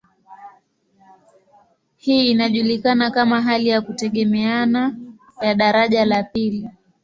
Hii inajulikana kama hali ya kutegemeana ya daraja la pili.